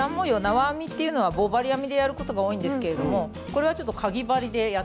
縄編みっていうのは棒針編みでやることが多いんですけれどもこれはちょっとかぎ針でやってみました。